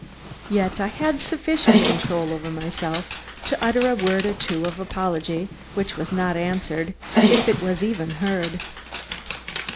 Yet I had sufficient control over myself to utter a word or two of apology, which was not answered, if it was even heard.